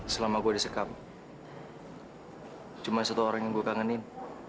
selama gue disekap cuma satu orang yang gue kangenin